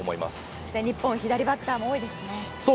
そして日本は左バッターも多いですよね。